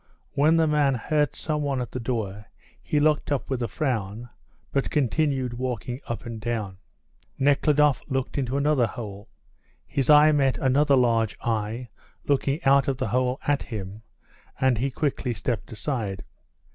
When the man heard some one at the door he looked up with a frown, but continued walking up and down. Nekhludoff looked into another hole. His eye met another large eye looking out of the hole at him, and he quickly stepped aside.